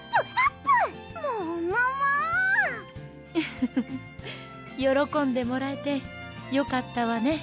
フフフッよろこんでもらえてよかったわね